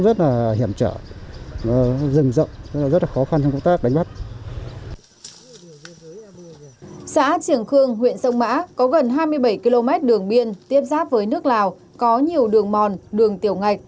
xã trường khương huyện sông mã có gần hai mươi bảy km đường biên tiếp giáp với nước lào có nhiều đường mòn đường tiểu ngạch